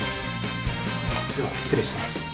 では失礼します。